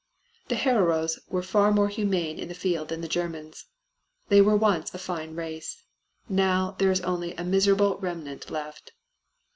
The Hereros were far more humane in the field than the Germans. They were once a fine race. Now there is only a miserable remnant left.